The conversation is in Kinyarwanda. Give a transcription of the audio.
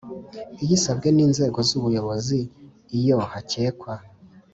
iyisabwe n inzego z ubuyobozi iyo hakekwa